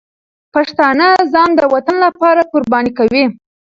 پښتانه ځان د وطن لپاره قرباني کوي.